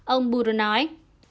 ông burrow nói